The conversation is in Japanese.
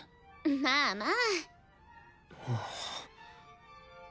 まあまあ。